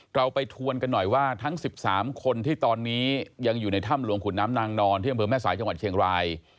เราไปทวนกันหน่อยว่าทั้ง๑๓คนที่ตอนนี้ยังอยู่ในถ้ำหลวงขุนน้ำนางนอนที่อำเภอแม่สายจังหวัดเชียงราย